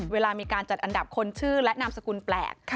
เวลามีการจัดอันดับคนชื่อและนามสกุลแปลก